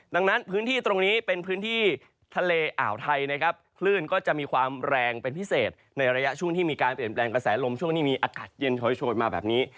ดังนั้นพื้นที่ตรงนี้เป็นพื้นที่ทะเลอ่าวไทยนะครับคลื่นก็จะมีความแรงเป็นพิเศษในระยะช่วงที่มีการเปลี่ยนแปลงกระแสลมช่วงที่มีอากาศเย็นโชยมาแบบนี้